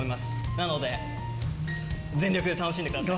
なので、全力で楽しんでください。